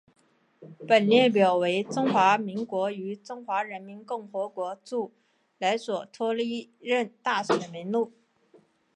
本列表为中华民国与中华人民共和国驻莱索托历任大使名录。